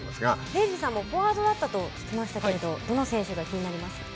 礼二さんもフォワードだったと聞きましたけどどの選手が気になりますか？